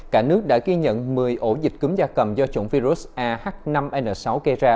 cả nước đã ghi nhận một mươi ổ dịch cúm da cầm do chủng virus ah năm n sáu gây ra